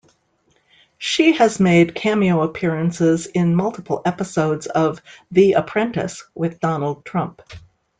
She has made cameo appearances in multiple episodes of "The Apprentice" with Donald Trump.